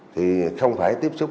thì không phải tiếp xúc